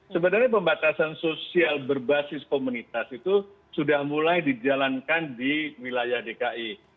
sebenarnya pembatasan sosial berbasis komunitas itu sudah mulai dijalankan di wilayah dki